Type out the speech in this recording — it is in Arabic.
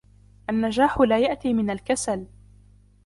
النجاح لا يأتي من الكسل.